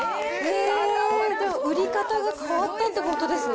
じゃあ、売り方が変わったってことですね。